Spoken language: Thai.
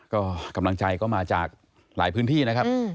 ก็กำลังใจก็มาจากหลายพื้นที่นะครับ